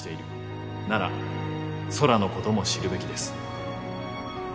なら空のことも知るべきです。